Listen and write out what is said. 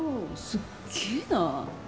すっげえな。